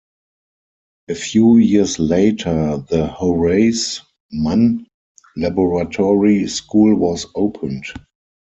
A few years later the Horace Mann Laboratory School was opened.